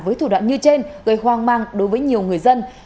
với thủ đoạn như trên gây hoang mang đối với nhiều người dân